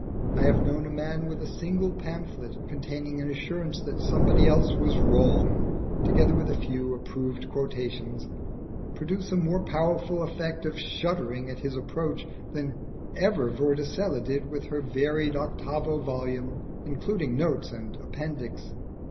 I have known a man with a single pamphlet containing an assurance that somebody else was wrong, together with a few approved quotations, produce a more powerful effect of shuddering at his approach than ever Vorticella did with her varied octavo volume, including notes and appendix.